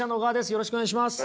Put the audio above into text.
よろしくお願いします。